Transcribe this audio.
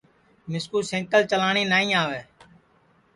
مِسکُو سئکل چلاٹؔی نائی آوے